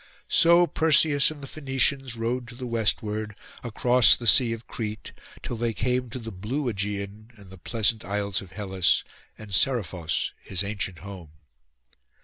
So Perseus and the Phoenicians rowed to the westward, across the sea of Crete, till they came to the blue Ægean and the pleasant Isles of Hellas, and Seriphos, his ancient home.